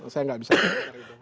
saya nggak bisa komentar itu